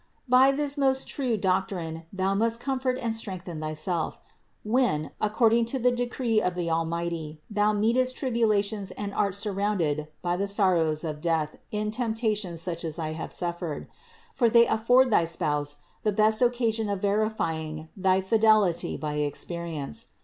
373. By this most true doctrine thou must comfort and strengthen thyself, when, according to the decree of the Almighty, thou meetest tribulations and art sur rounded by the sorrows of death in temptations such as I have suffered. For they afford thy Spouse the best occasion of verifying thy fidelity by experience.